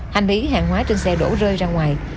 hành lý hàng hóa trên xe đổ rơi ra ngoài